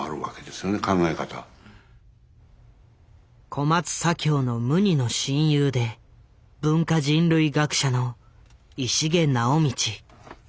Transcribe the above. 小松左京の無二の親友で文化人類学者の石毛直道。